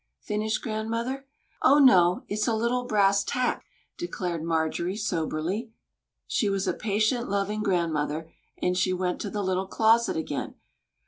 finished grandmother. "O, no it's a little brass tack!" declared Marjorie, soberly. She was a patient, loving grandmother, and she went to the little closet again.